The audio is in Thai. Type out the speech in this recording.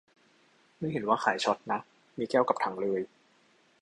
ไม่เห็นว่าขายช็อตนะ มีแก้วกับถังเลย